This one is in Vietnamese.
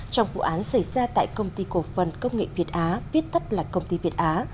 trong vụ án xảy ra tại công ty cổ phần công nghệ việt á viết tắt là công ty việt á